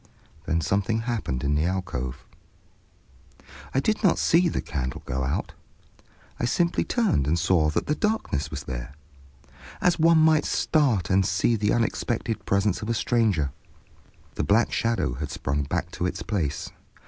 Then something happened in the alcove. I did not see the candle go out, I simply turned and saw that the darkness was there, as one might start and see the unexpected presence of a stranger. The black shadow had sprung back to its place.